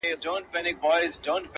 ورته وگورې په مــــــيـــنـــه؛